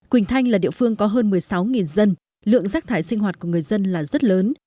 quỳnh thanh là địa phương có hơn một mươi sáu dân lượng rác thải sinh hoạt của người dân là rất lớn